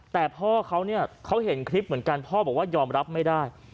แต่พอเขาเห็นคลิปเหมือนกันพอบอกว่ายอมรับไม่ได้